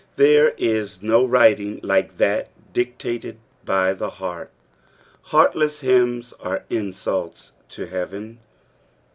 There is do writing like that dictated by the heart. Heartteas hymnB are iosults to heaven.